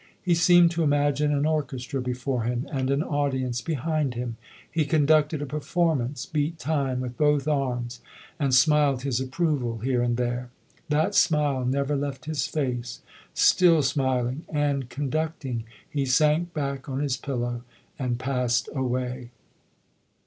He seemed to imagine an orchestra before him and an audience behind him. He conducted a performance, beat time with both arms and smiled his approval here and there. That smile never left his face. Still smiling and conducting, he sank back on his pillow and passed away.